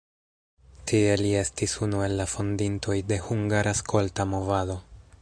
Tie li estis unu el la fondintoj de hungara skolta movado.